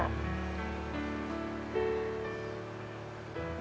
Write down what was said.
ขอบคุณพ่อ